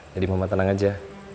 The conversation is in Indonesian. jadi mama tenang aja